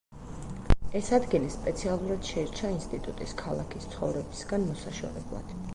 ეს ადგილი სპეციალურად შეირჩა ინსტიტუტის ქალაქის ცხოვრებისგან მოსაშორებლად.